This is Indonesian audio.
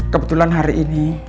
kebetulan hari ini